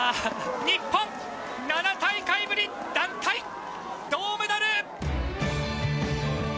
日本、７大会ぶり団体、銅メダル！